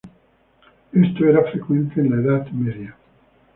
Esto era frecuente en la Edad Media.